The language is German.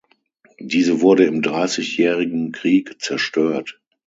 Diese wurde im Dreißigjährigen Krieg zerstört.